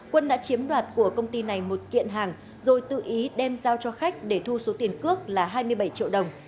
quân đã chiếm đoạt của công ty này một kiện hàng rồi tự ý đem giao cho khách để thu số tiền cướp là hai mươi bảy triệu đồng